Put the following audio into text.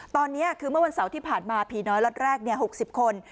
ตอนนี้คือเมื่อวันเสาร์ที่ผ่านมาผีน้อยล็อตแรก๖๐คน